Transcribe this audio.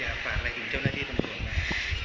อยากฝากอะไรถึงเจ้าหน้าที่ตำรวจนะ